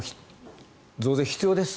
増税必要です。